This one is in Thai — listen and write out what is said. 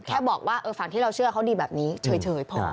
แค่บอกว่าฝั่งที่เราเชื่อเขาดีแบบนี้เฉยพอ